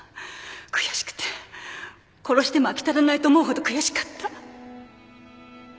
悔しくて殺しても飽き足らないと思うほど悔しかった。